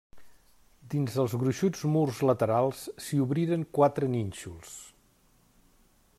Dins els gruixuts murs laterals s'hi obriren quatre nínxols.